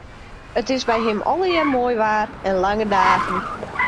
It is by him allegearre moai waar en lange dagen.